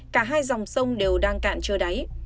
cả hai dòng sông đều đang cạn chưa đáy